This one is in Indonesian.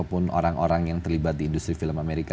ataupun orang orang yang terlibat di industri film amerika